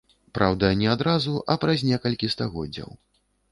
Праўда, не адразу, а праз некалькі стагоддзяў.